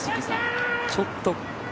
ちょっと。